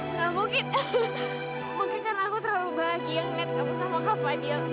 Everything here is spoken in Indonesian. enggak mungkin mungkin karena aku terlalu bahagia ngeliat kamu sama kak fadil